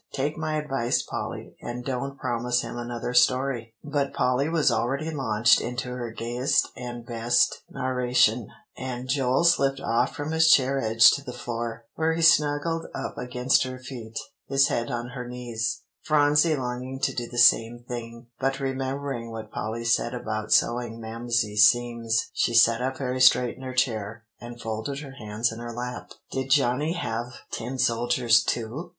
Take my advice, Polly, and don't promise him another story." But Polly was already launched into her gayest and best narration; and Joel slipped off from his chair edge to the floor, where he snuggled up against her feet, his head on her knees, Phronsie longing to do the same thing; but remembering what Polly had said about sewing Mamsie's seams, she sat up very straight in her chair, and folded her hands in her lap. "Did Johnny have tin soldiers too?"